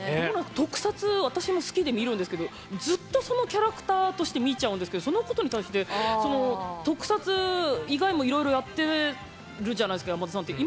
特撮私も好きで見るんですけどずっとそのキャラクターとして見ちゃうんですけどそのことに対して特撮以外もいろいろやってるじゃないですか山田さんって。